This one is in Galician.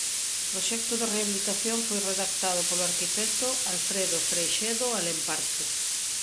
O proxecto de rehabilitación foi redactado polo arquitecto Alfredo Freixedo Alemparte.